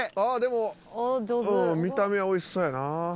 あっでも見た目は美味しそうやな。